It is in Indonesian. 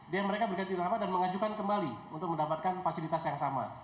dan mereka berganti nama dan mengajukan kembali untuk mendapatkan fasilitas yang sama